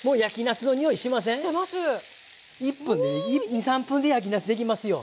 ２３分で焼きなすできますよ。